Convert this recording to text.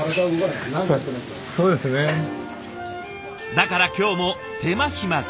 だから今日も手間暇かけて。